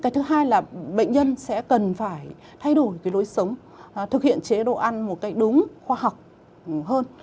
thứ hai là bệnh nhân sẽ cần phải thay đổi lối sống thực hiện chế độ ăn một cách đúng khoa học hơn